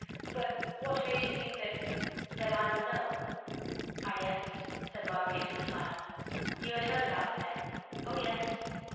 But what made you think that that I would know?" "I guessed," said Marguerite with a smile. "You had heard about me then?" "Oh, yes!"